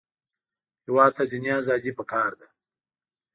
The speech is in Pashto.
هېواد ته دیني ازادي پکار ده